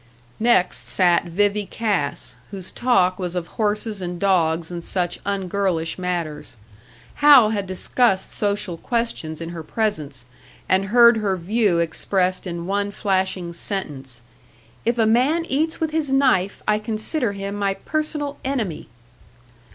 Next sat "Vivie" Cass, whose talk was of horses and dogs and such ungirlish matters; Hal had discussed social questions in her presence, and heard her view expressed in one flashing sentence "If a man eats with his knife, I consider him my personal enemy!"